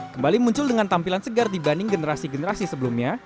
kembali muncul dengan tampilan segar dibanding generasi generasi sebelumnya